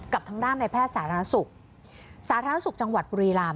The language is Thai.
กับทางด้านในแพทย์สาธารณสุขสาธารณสุขจังหวัดบุรีราม